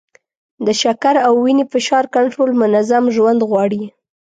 د شکر او وینې فشار کنټرول منظم ژوند غواړي.